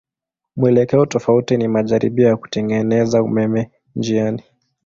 Mwelekeo tofauti ni majaribio ya kutengeneza umeme njiani.